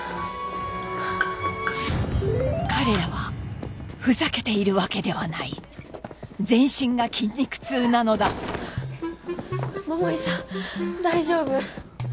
彼らはふざけているわけではない全身が筋肉痛なのだ桃井さん大丈夫？